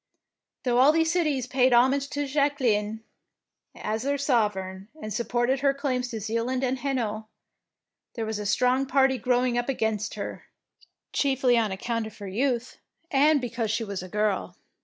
Though all these cities paid homage to Jacqueline as their sovereign, and supported her claims to Zealand and Hainault, there was a strong party growing up against her, chiefly on account of her youth, and because she was a girl.